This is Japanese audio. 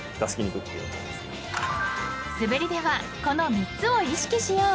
［素振りではこの３つを意識しよう］